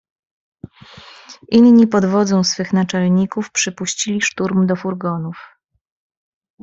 "„Inni pod wodzą swych naczelników przypuścili szturm do furgonów."